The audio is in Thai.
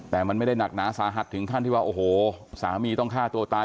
แต่มันไม่ได้หนักหนาสาหัสถึงขั้นที่ว่าโอ้โหสามีต้องฆ่าตัวตาย